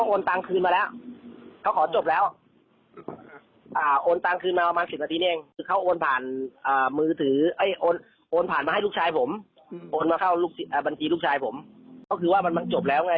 โอนมาเข้าบัญชีลูกชายผมก็คือว่ามันจบแล้วไง